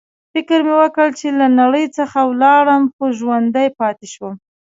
فکر مې وکړ چې له نړۍ څخه ولاړم، خو ژوندی پاتې شوم.